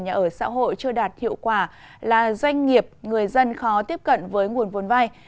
và chưa đạt hiệu quả là doanh nghiệp người dân khó tiếp cận với nguồn vốn vai